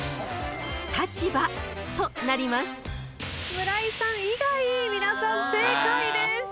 村井さん以外皆さん正解です。